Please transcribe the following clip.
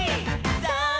さあ